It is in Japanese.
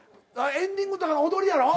エンディングとかの踊りやろ？